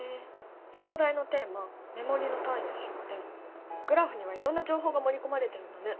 表題のテーマ目盛りの単位や出典グラフにはいろんな情報が盛り込まれてるんだね。